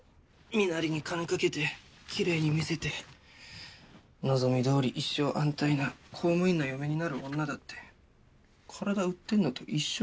身なりに金かけてきれいに見せて望みどおり一生安泰な公務員の嫁になる女だって体売ってんのと一緒じゃん。